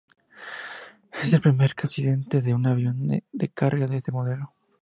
Es el primer accidente de un avión de carga de este modelo.